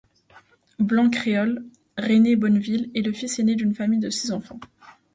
Blanc créole, René Bonneville est le fils aîné d’une famille de six enfants.